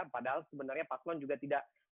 padahal sebenarnya paslon juga tidak